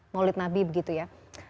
maulid nabi begitu ya